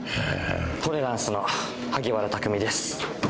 トレランスの萩原匠です。